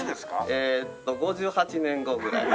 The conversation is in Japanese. えっと５８年後ぐらい。